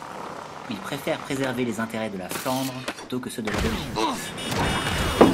Il préfère préserver les intérêts de la Flandre plutôt que ceux de la Belgique.